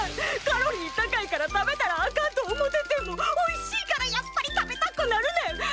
カロリー高いから食べたらあかんと思っててもおいしいからやっぱり食べたくなるねん！